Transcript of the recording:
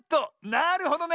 なるほどね！